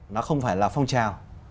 nó không phải là phong trào